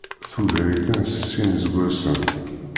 Tugar-iken s sin iseggasen.